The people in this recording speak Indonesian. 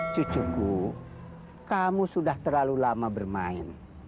cucuku kamu sudah terlalu lama bermain